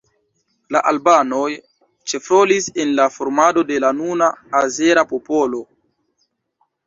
La albanoj ĉefrolis en la formado de la nuna azera popolo.